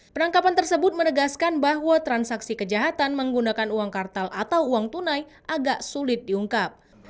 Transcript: penangkapan tersebut menegaskan bahwa transaksi kejahatan menggunakan uang kartal atau uang tunai agak sulit diungkap